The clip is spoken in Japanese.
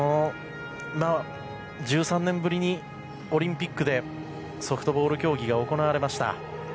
１３年ぶりにオリンピックでソフトボール競技が行われました。